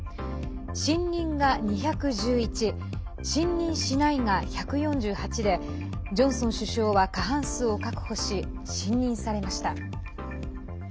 信任が２１１信任しないが１４８でジョンソン首相は過半数を確保し信任されました。